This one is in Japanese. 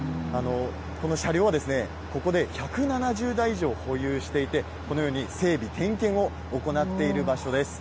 この車両は、ここで１７０台以上保有していて、このように整備・点検を行っている場所です。